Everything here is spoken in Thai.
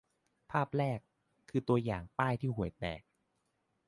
ภาพแรก คือตัวอย่างป้ายที่ห่วยแตก